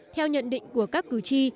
theo nhận định của các cử tri